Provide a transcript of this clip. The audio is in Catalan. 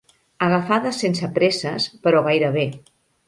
Agafades sense presses, però gairebé.